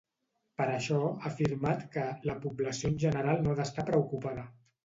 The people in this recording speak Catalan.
Per això, ha afirmat que "la població en general no ha d'estar preocupada".